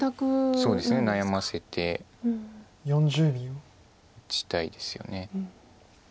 そうですね。悩ませて打ちたいですよね。